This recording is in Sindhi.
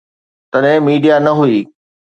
تڏهن ميڊيا نه هئي.